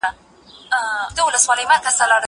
زه به بوټونه پاک کړي وي!!